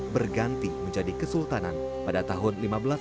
berganti menjadi kesultanan pada tahun seribu lima ratus enam puluh